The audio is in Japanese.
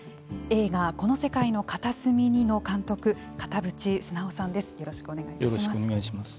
映画「この世界の片隅に」の監督片渕須直さんです。